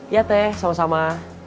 iya teh sama sama